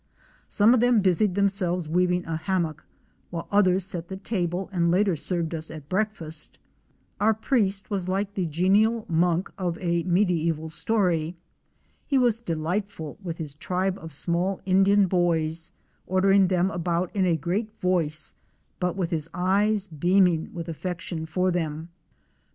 Some of them busied themselves weaving a hammock, while others set the table and later served us at breakfast. Our priest was like the genial monk of a mediz val story. He was delightful with his tribe of small Indian boys, ordering them about in a great voice but with his eyes beaming with affection for them.